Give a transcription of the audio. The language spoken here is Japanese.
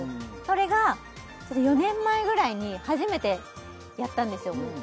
それが４年前ぐらいに初めてやったんですよ